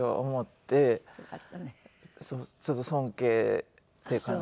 ちょっと尊敬っていう感じ。